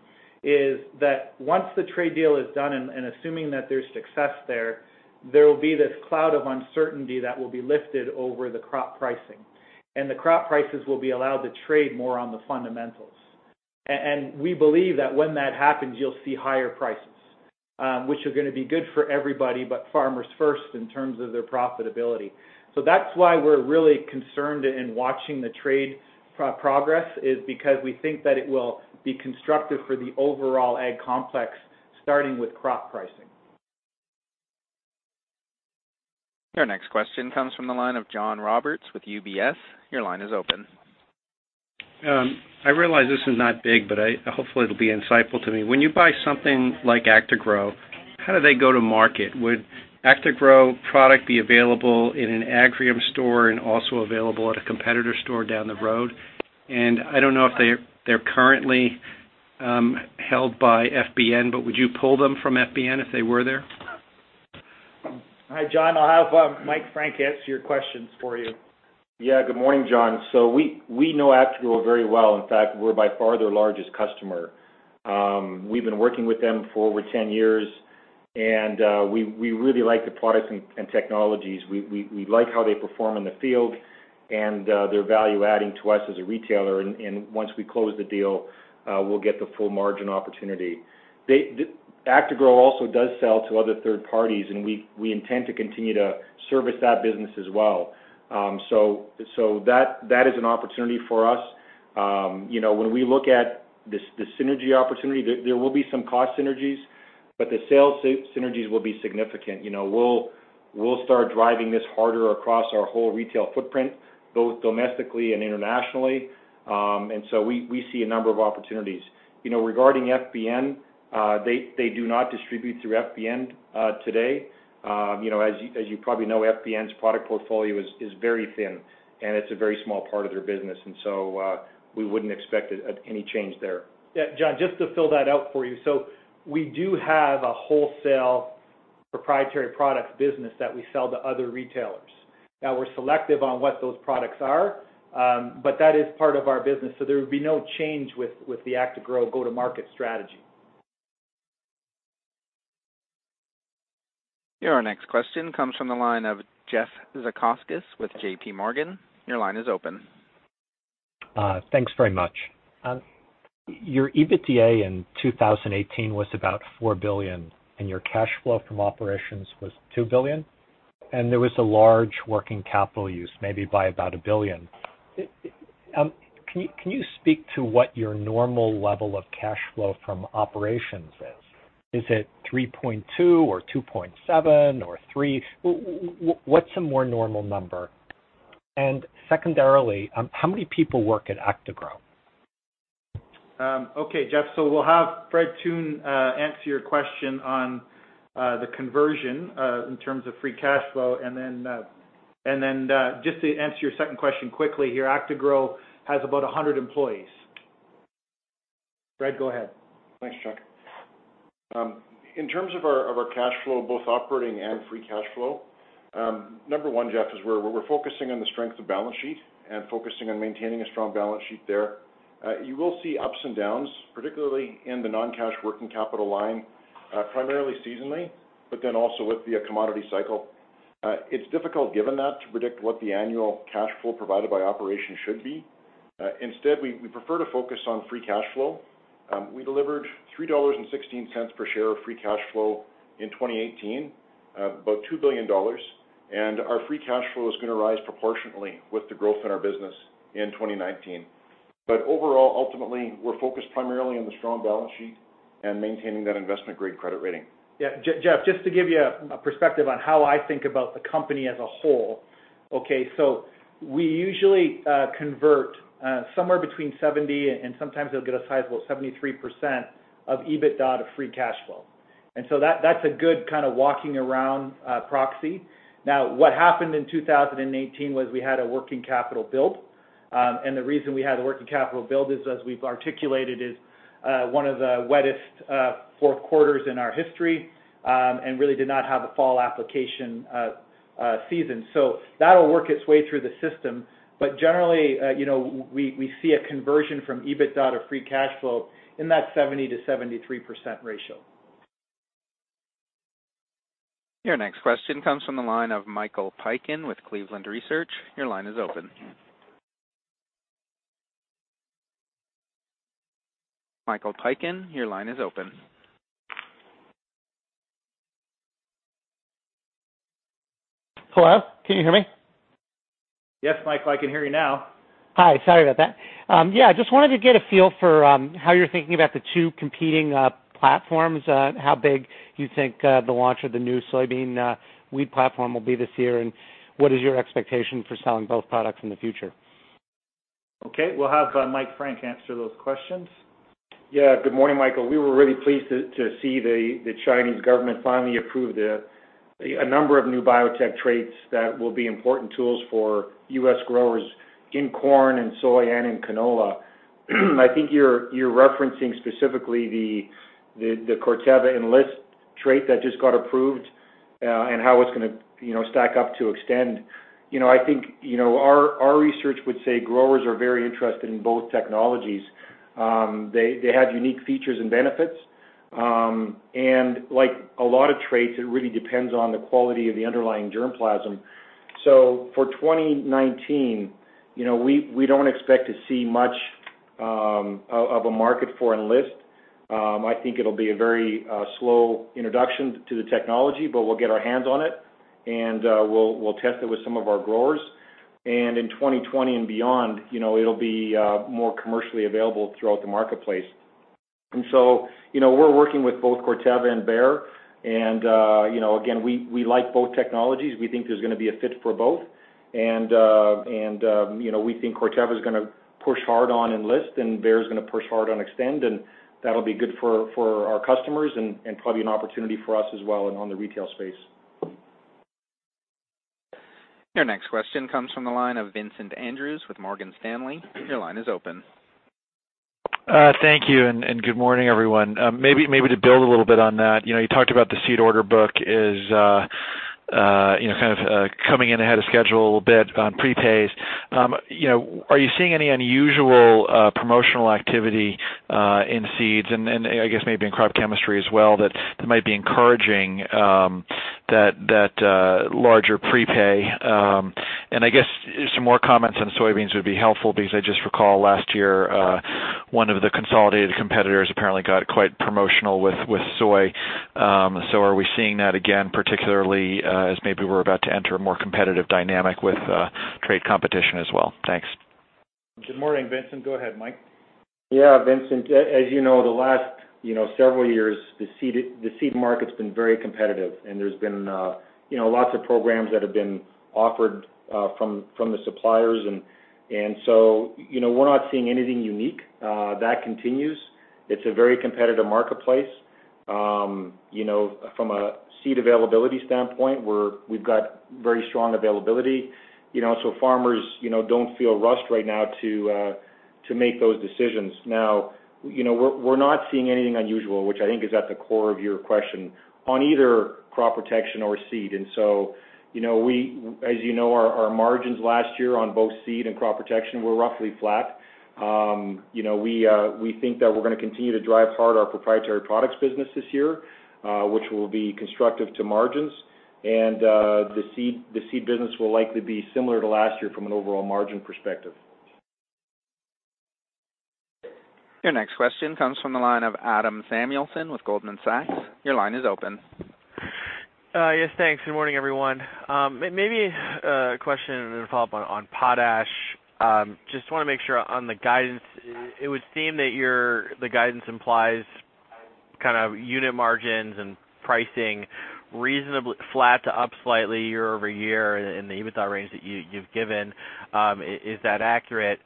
is that once the trade deal is done, and assuming that there's success there will be this cloud of uncertainty that will be lifted over the crop pricing, and the crop prices will be allowed to trade more on the fundamentals. We believe that when that happens, you'll see higher prices, which are going to be good for everybody, but farmers first in terms of their profitability. That's why we're really concerned in watching the trade progress is because we think that it will be constructive for the overall ag complex, starting with crop pricing. Your next question comes from the line of John Roberts with UBS. Your line is open. I realize this is not big, but hopefully it'll be insightful to me. When you buy something like Actagro, how do they go to market? Would Actagro product be available in an Agrium store and also available at a competitor store down the road? I don't know if they're currently held by FBN, but would you pull them from FBN if they were there? Hi, John. I'll have Mike Frank answer your questions for you. Good morning, John. We know Actagro very well. In fact, we're by far their largest customer. We've been working with them for over 10 years, and we really like the products and technologies. We like how they perform in the field and their value adding to us as a retailer, and once we close the deal, we'll get the full margin opportunity. Actagro also does sell to other third parties, and we intend to continue to service that business as well. That is an opportunity for us. When we look at the synergy opportunity, there will be some cost synergies The sales synergies will be significant. We'll start driving this harder across our whole retail footprint, both domestically and internationally. We see a number of opportunities. Regarding FBN, they do not distribute through FBN today. As you probably know, FBN's product portfolio is very thin and it's a very small part of their business. We wouldn't expect any change there. John, just to fill that out for you. We do have a wholesale proprietary products business that we sell to other retailers. We're selective on what those products are, but that is part of our business, there would be no change with the Actagro go-to-market strategy. Your next question comes from the line of Jeff Zekauskas with JPMorgan. Your line is open. Thanks very much. Your EBITDA in 2018 was about $4 billion, your cash flow from operations was $2 billion, there was a large working capital use, maybe by about $1 billion. Can you speak to what your normal level of cash flow from operations is? Is it $3.2 or $2.7 or $3? What's a more normal number? Secondarily, how many people work at Actagro? Okay, Jeff. We'll have Fred Thun answer your question on the conversion in terms of free cash flow, just to answer your second question quickly here, Actagro has about 100 employees. Fred, go ahead. Thanks, Chuck. In terms of our cash flow, both operating and free cash flow, number one, Jeff, is we're focusing on the strength of balance sheet and focusing on maintaining a strong balance sheet there. You will see ups and downs, particularly in the non-cash working capital line, primarily seasonally, but then also with the commodity cycle. It's difficult, given that, to predict what the annual cash flow provided by operations should be. Instead, we prefer to focus on free cash flow. We delivered $3.16 per share of free cash flow in 2018, about $2 billion, and our free cash flow is going to rise proportionately with the growth in our business in 2019. Overall, ultimately, we're focused primarily on the strong balance sheet and maintaining that investment-grade credit rating. Yeah. Jeff, just to give you a perspective on how I think about the company as a whole. We usually convert somewhere between 70% and sometimes it'll get a sizable 73% of EBITDA to free cash flow. That's a good kind of walking around proxy. Now, what happened in 2018 was we had a working capital build. The reason we had the working capital build is, as we've articulated, is one of the wettest four quarters in our history and really did not have a fall application season. That'll work its way through the system. Generally, we see a conversion from EBITDA to free cash flow in that 70%-73% ratio. Your next question comes from the line of Michael Piken with Cleveland Research. Your line is open. Michael Piken, your line is open. Hello, can you hear me? Yes, Michael, I can hear you now. Hi. Sorry about that. Just wanted to get a feel for how you're thinking about the two competing platforms, how big you think the launch of the new soybean wheat platform will be this year, and what is your expectation for selling both products in the future? We'll have Mike Frank answer those questions. Good morning, Michael. We were really pleased to see the Chinese government finally approve a number of new biotech traits that will be important tools for U.S. growers in corn and soy and in canola. I think you're referencing specifically the Corteva Enlist trait that just got approved, and how it's going to stack up to Xtend. I think our research would say growers are very interested in both technologies. They have unique features and benefits, and like a lot of traits, it really depends on the quality of the underlying germplasm. For 2019, we don't expect to see much of a market for Enlist. I think it'll be a very slow introduction to the technology, but we'll get our hands on it and we'll test it with some of our growers. In 2020 and beyond, it'll be more commercially available throughout the marketplace. We're working with both Corteva and Bayer, and again, we like both technologies. We think there's going to be a fit for both. We think Corteva is going to push hard on Enlist and Bayer is going to push hard on Xtend, and that'll be good for our customers and probably an opportunity for us as well and on the retail space. Your next question comes from the line of Vincent Andrews with Morgan Stanley. Your line is open. Thank you, and good morning, everyone. Maybe to build a little bit on that. You talked about the seed order book is kind of coming in ahead of schedule a little bit on prepays. Are you seeing any unusual promotional activity in seeds and I guess maybe in crop chemistry as well, that might be encouraging that larger prepay? I guess some more comments on soybeans would be helpful because I just recall last year one of the consolidated competitors apparently got quite promotional with soy. Are we seeing that again, particularly as maybe we're about to enter a more competitive dynamic with trade competition as well? Thanks. Good morning, Vincent. Go ahead, Mike. Vincent, as you know, the last several years, the seed market's been very competitive, and there's been lots of programs that have been offered from the suppliers. We're not seeing anything unique. That continues. It's a very competitive marketplace. From a seed availability standpoint, we've got very strong availability, so farmers don't feel rushed right now to make those decisions. We're not seeing anything unusual, which I think is at the core of your question, on either crop protection or seed. As you know, our margins last year on both seed and crop protection were roughly flat. We think that we're going to continue to drive hard our proprietary products business this year, which will be constructive to margins. The seed business will likely be similar to last year from an overall margin perspective. Your next question comes from the line of Adam Samuelson with Goldman Sachs. Your line is open. Thanks. Good morning, everyone. Maybe a question and a follow-up on potash. Just want to make sure on the guidance, it would seem that the guidance implies unit margins and pricing reasonably flat to up slightly year-over-year in the EBITDA range that you've given. Is that accurate?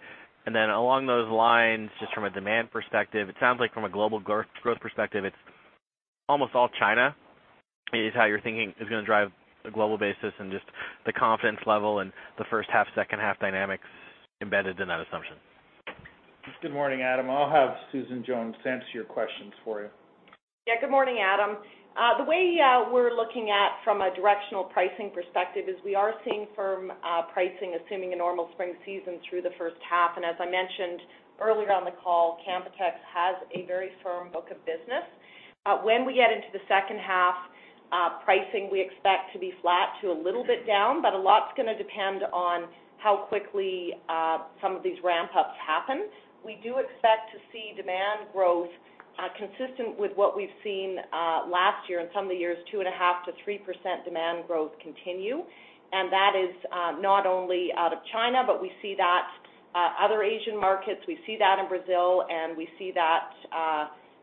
Along those lines, just from a demand perspective, it sounds like from a global growth perspective, it's almost all China, is how you're thinking is going to drive the global basis and just the confidence level and the H1, H2 dynamics embedded in that assumption. Good morning, Adam. I'll have Susan Jones answer your questions for you. Good morning, Adam. The way we're looking at from a directional pricing perspective is we are seeing firm pricing, assuming a normal spring season through the H1. As I mentioned earlier on the call, Canpotex has a very firm book of business. When we get into the H2, pricing we expect to be flat to a little bit down, but a lot's going to depend on how quickly some of these ramp-ups happen. We do expect to see demand growth consistent with what we've seen last year and some of the years, 2.5%-3% demand growth continue. That is not only out of China, but we see that other Asian markets, we see that in Brazil, and we see that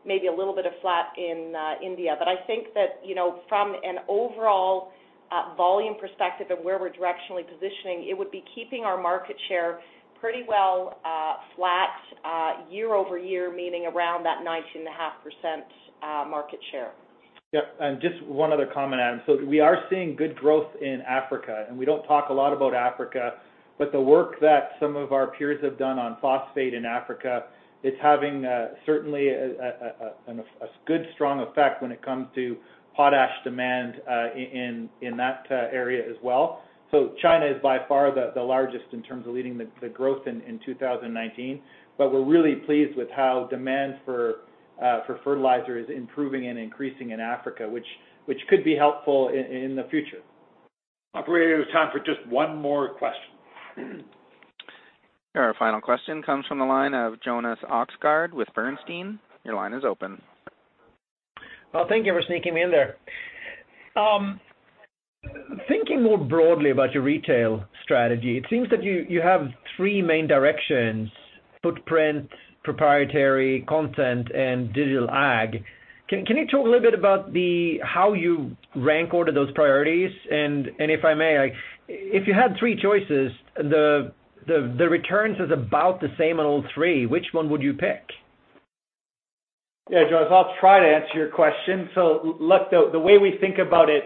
maybe a little bit of flat in India. I think that from an overall volume perspective of where we're directionally positioning, it would be keeping our market share pretty well flat year-over-year, meaning around that 19.5% market share. Just one other comment, Adam. We are seeing good growth in Africa, and we don't talk a lot about Africa, but the work that some of our peers have done on phosphate in Africa, it's having certainly a good strong effect when it comes to potash demand in that area as well. China is by far the largest in terms of leading the growth in 2019. We're really pleased with how demand for fertilizer is improving and increasing in Africa, which could be helpful in the future. Operator, there's time for just one more question. Our final question comes from the line of Jonas Oxgaard with Bernstein. Your line is open. Well, thank you for sneaking me in there. Thinking more broadly about your retail strategy, it seems that you have three main directions, footprint, proprietary content, and digital ag. Can you talk a little bit about how you rank order those priorities? If I may, if you had three choices, the returns is about the same on all three, which one would you pick? Yeah, Jonas, I'll try to answer your question. Look, the way we think about it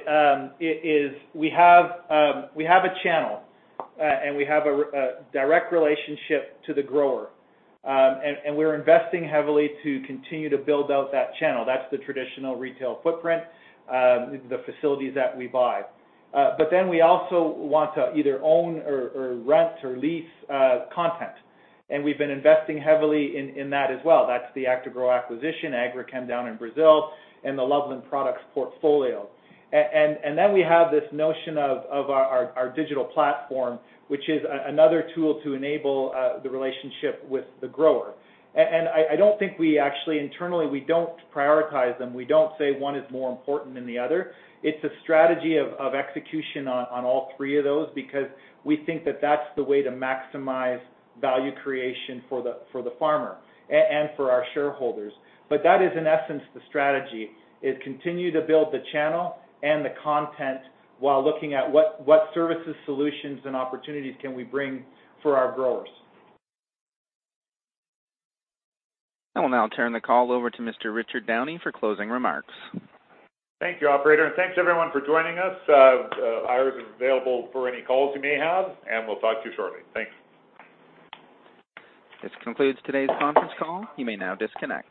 is we have a channel, we have a direct relationship to the grower. We're investing heavily to continue to build out that channel. That's the traditional retail footprint, the facilities that we buy. We also want to either own or rent or lease content, we've been investing heavily in that as well. That's the Actagro acquisition, Agrichem down in Brazil, and the Loveland Products portfolio. We have this notion of our digital platform, which is another tool to enable the relationship with the grower. I don't think we actually internally, we don't prioritize them. We don't say one is more important than the other. It's a strategy of execution on all three of those because we think that that's the way to maximize value creation for the farmer and for our shareholders. That is in essence the strategy, is continue to build the channel and the content while looking at what services, solutions, and opportunities can we bring for our growers. I will now turn the call over to Mr. Richard Downey for closing remarks. Thank you, operator, and thanks everyone for joining us. Iris is available for any calls you may have, and we'll talk to you shortly. Thanks. This concludes today's conference call. You may now disconnect.